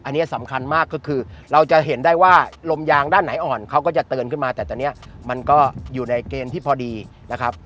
อันนี้สำคัญมากก็คือเราจะเห็นได้ว่าลมยางด้านไหนอ่อนเขาก็จะเตือนขึ้นมาแต่ตอนนี้มันก็อยู่ในเกณฑ์ที่พอดีนะครับ